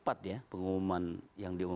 soal standar pengendalian demonstrasi atau